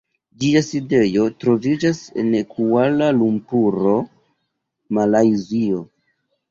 Ĝia sidejo troviĝas en Kuala-Lumpuro, Malajzio.